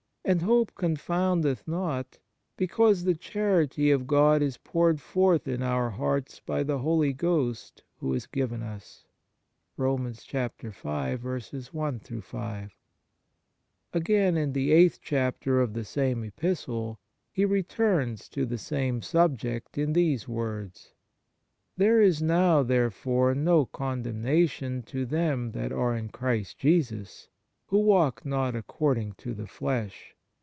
And hope confoundeth not, because the charity of God is poured forth in our hearts by the Holy Ghost who is given us." 1 Again, in the eighth chapter of the same Epistle he returns to the same subject in these words: " There is now, therefore, no condemnation to them that are in Christ Jesus, who walk not according to the flesh.